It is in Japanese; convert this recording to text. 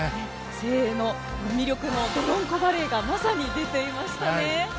誠英の魅力の泥んこバレーがまさに出ていましたね。